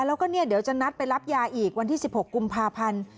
แล้วก็เนี่ยเดี๋ยวจะนัดไปรับยาอีกวันที่๑๖กุมภาพันธ์